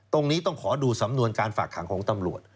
ต้องขอดูสำนวนการฝากขังของตำรวจ